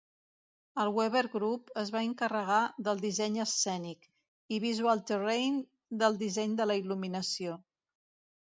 El Weber Group es va encarregar del disseny escènic, i Visual Terrain del disseny de la il·luminació.